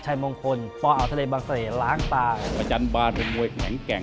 ชัยมงคลปลอาวเทรวงเตรเลล้างตาชัยโมงคลเป็นมวยแข็งแกร่ง